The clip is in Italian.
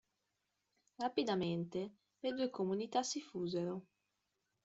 Rapidamente, le due comunità si fusero.